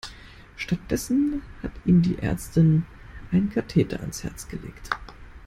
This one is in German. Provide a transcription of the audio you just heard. Stattdessen hat ihm die Ärztin einen Katheter ans Herz gelegt.